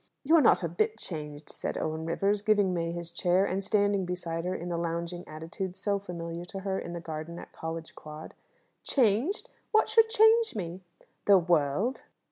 "You are not a bit changed," said Owen Rivers, giving May his chair, and standing beside her in the lounging attitude so familiar to her in the garden at College Quad. "Changed! What should change me?" "The world."